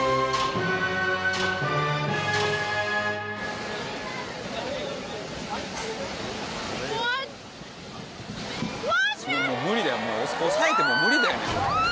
もう押さえても無理だよね。